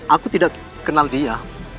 aku tidak kenal dia